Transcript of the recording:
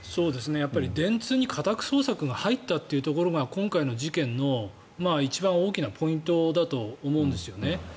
電通に家宅捜索が入ったというところが今回の事件の一番大きなポイントだと思うんですよね。